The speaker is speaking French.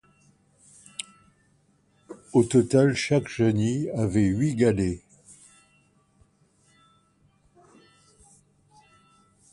Au total, chaque chenille avait huit galets.